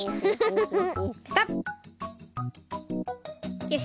よし。